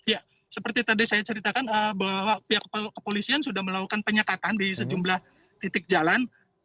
ya seperti tadi saya ceritakan bahwa pihak kepolisian sudah melakukan penyekatan di sejumlah titik jalan